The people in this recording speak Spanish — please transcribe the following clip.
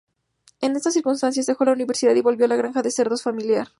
En estas circunstancias, dejó la universidad y volvió a la granja de cerdos familiar.